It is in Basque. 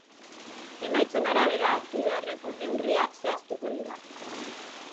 Emaitzen arabera hartu beharreko neurriak zehaztuko dira.